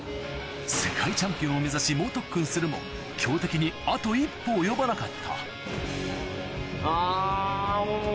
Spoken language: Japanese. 世界チャンピオンを目指し猛特訓するも強敵にあと一歩及ばなかったあぁもう！